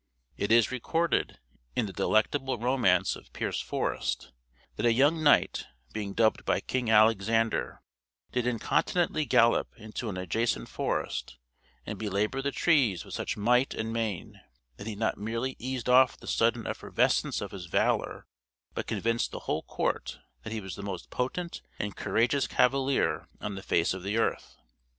It is recorded, in the delectable romance of Pierce Forest, that a young knight, being dubbed by King Alexander, did incontinently gallop into an adjacent forest, and belabor the trees with such might and main, that he not merely eased off the sudden effervescence of his valor, but convinced the whole court that he was the most potent and courageous cavalier on the face of the earth.